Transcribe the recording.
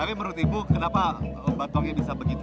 tapi menurut ibu kenapa batongnya bisa begitu